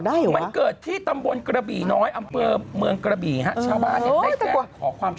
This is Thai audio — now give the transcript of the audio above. ดูเธอคนงานเรียงไก่ชนหวะ